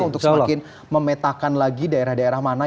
untuk semakin memetakan lagi daerah daerah mana